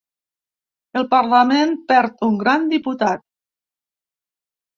El parlament perd un gran diputat.